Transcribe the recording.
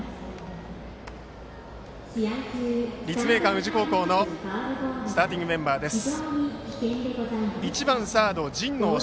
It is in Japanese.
立命館宇治高校のスターティングメンバーです。